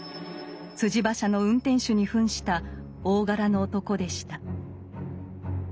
馬車の運転手にふんした大柄の男でした。